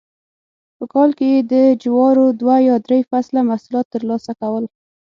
په کال کې یې د جوارو دوه یا درې فصله محصولات ترلاسه کول